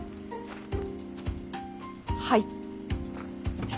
はい。